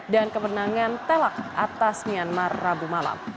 dan kemenangan telak atas myanmar rabu malam